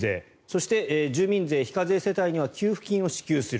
そして住民税非課税世帯には給付金を支給する。